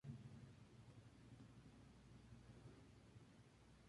Columnista del periódico El Universal y político venezolano.